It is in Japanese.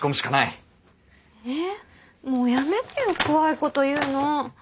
えもうやめてよ怖いこと言うの。